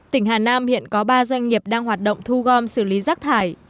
tỉnh hà nam hiện có ba doanh nghiệp đang hoạt động thu gom xử lý rác thải